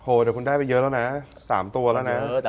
เดี๋ยวคุณได้ไปเยอะแล้วนะ๓ตัวแล้วนะ